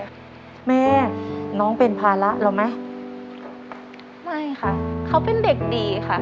แม่น้องเป็นภาระเราไหมไม่ค่ะเขาเป็นเด็กดีค่ะ